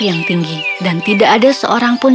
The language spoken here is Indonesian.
yang tinggi dan tidak ada seorang pun